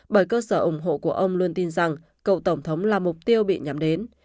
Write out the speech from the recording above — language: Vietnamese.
bởi cơ sở ủng hộ của ông luôn tin rằng cựu tổng thống là mục tiêu bị nhắm đến